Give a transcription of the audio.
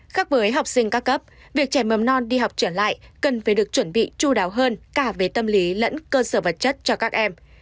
khác với học sinh các cấp việc trẻ mầm non đi học trở lại cần phải được chuẩn bị chú đáo hơn cả về tâm lý lẫn cơ sở vật chất cho các em